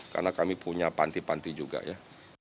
karena kami punya panti panti juga ya